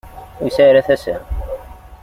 Ur yesɛi ara tasa.